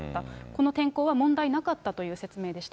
この天候は問題なかったという説明でした。